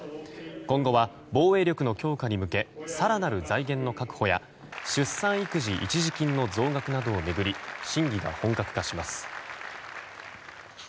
今後は防衛力の強化に向け更なる財源の確保や出産育児一時金などの増額などを巡り審議が本格化します。